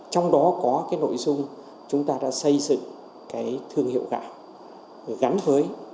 trong đó có cái nội dung chúng ta đã xây dựng cái thương hiệu gạo gắn với